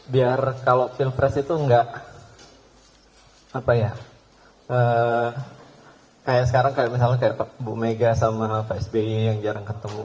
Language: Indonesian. biar kalau film press itu nggak apa ya kayak sekarang misalnya pak bumega sama pak sbi yang jarang ketemu